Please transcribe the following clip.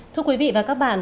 thưa quý vị và các bạn